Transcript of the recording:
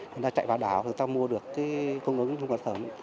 chúng ta chạy vào đảo chúng ta mua được công ứng trung tâm